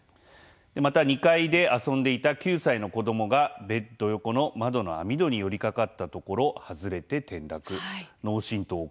また２階で遊んでいた９歳の子どもが、ベッド横の窓の網戸に寄りかかったところ外れて転落。